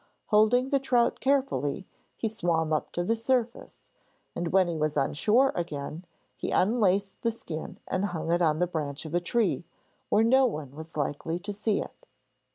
Holding the trout carefully, he swam up to the surface, and when he was on shore again he unlaced the skin and hung it on the branch of a tree, where no one was likely to see it.